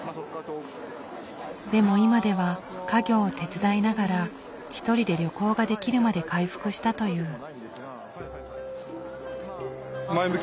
でも今では家業を手伝いながら一人で旅行ができるまで回復したという。